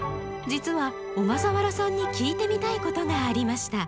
実は小笠原さんに聞いてみたいことがありました。